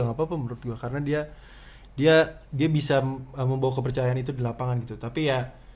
nggak papa menurut gue karena dia dia dia bisa membawa kepercayaan itu di lapangan itu tapi ya